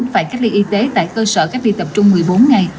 phải cách ly y tế tại cơ sở cách ly tập trung một mươi bốn ngày